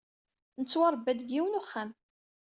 Nettwarebba-d deg yiwen uxxam